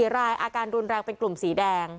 ๔รายอาการรุนแรงเป็นกลุ่มสีแดง